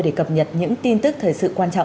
để cập nhật những tin tức thời sự quan trọng